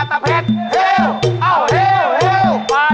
เอาเพลงเรือดีกว่า